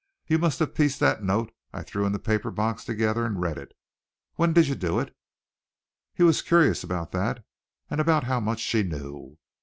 You must have pieced that note I threw in the paper box together and read it. When did you do it?" He was curious about that and about how much she knew.